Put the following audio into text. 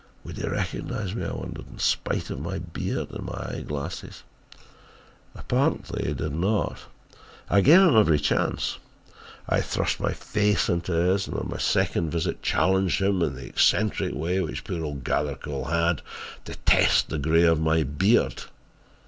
Would he recognise me I wondered, in spite of my beard and my eye glasses? "Apparently he did not. I gave him every chance. I thrust my face into his and on my second visit challenged him, in the eccentric way which poor old Gathercole had, to test the grey of my beard.